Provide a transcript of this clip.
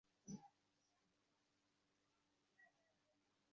যে মুহুর্তে ভেসে উঠবে, উচ্ছ্বাস আর কৃতিত্বের একটা চমত্কার অনুভূতি।